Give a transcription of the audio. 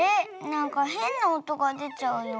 なんかへんなおとがでちゃうよ。